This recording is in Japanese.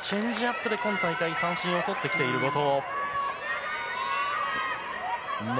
チェンジアップで今大会三振をとってきている後藤。